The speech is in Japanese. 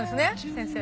先生。